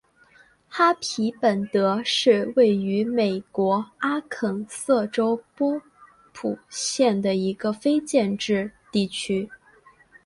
哈皮本德是位于美国阿肯色州波普县的一个非建制地区。